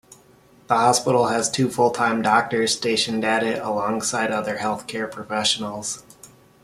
The hospital has two full-time doctors stationed at it, alongside other healthcare professionals.